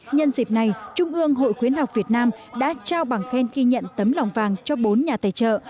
nhân dịp này trung ương hội khuyến học việt nam đã trao bằng khen ghi nhận tấm lòng vàng cho bốn nhà tài trợ